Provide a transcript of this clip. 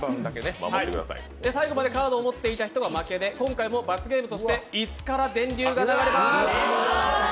最後までカードを持っていた人が負けで今回も罰ゲームとして椅子から電流が流れます。